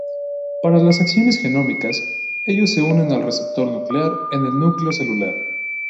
Para las acciones genómicas, ellos se unen al receptor nuclear en el núcleo celular.